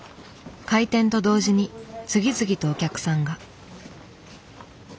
開店と同時に次々とお客さんが。